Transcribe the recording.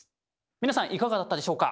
皆さんいかがだったでしょうか。